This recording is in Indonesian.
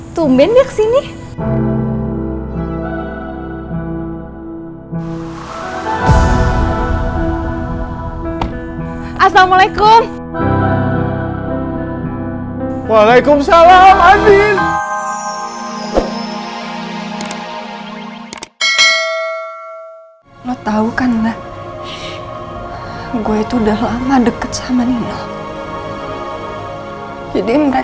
tumben dia kesini